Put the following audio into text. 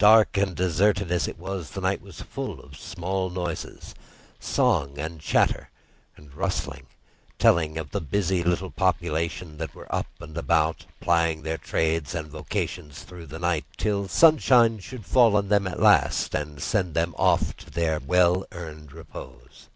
Dark and deserted as it was, the night was full of small noises, song and chatter and rustling, telling of the busy little population who were up and about, plying their trades and vocations through the night till sunshine should fall on them at last and send them off to their well earned repose.